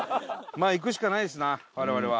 まあ行くしかないですな我々は。